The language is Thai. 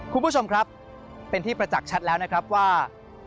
คุณผู้ชมครับเป็นที่ประจักษ์ชัดแล้วนะครับว่า